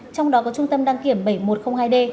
trong đó có trung tâm đăng kiểm bảy nghìn một trăm linh hai d